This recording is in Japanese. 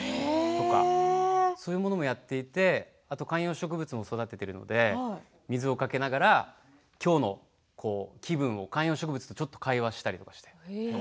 そういうものもやっていてあと観葉植物も育てているので水をかけながらきょうの気分を観葉植物と会話したりして。